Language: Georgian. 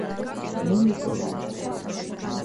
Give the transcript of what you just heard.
მე ნიკო ვარ